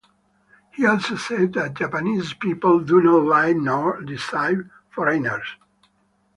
He also said that Japanese people "do not like nor desire foreigners".